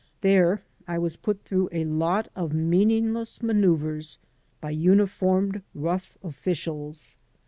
There I was put through a lot of meaningless manceuvers by imif ormed, rough officials.